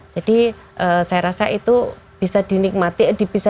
jadi saya rasa itu bisa dinikmati